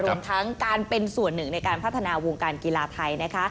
รวมทั้งการเป็นส่วนหนึ่งในการพัฒนาวงการกีฬาไทย